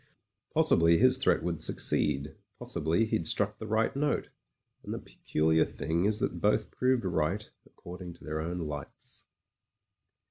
Possibly his threat would succeed; possibly he'd struck the right note. And the peculiar thing is that both proved right according to their own lights.